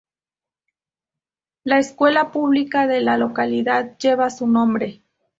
La escuela pública de la localidad lleva su nombre.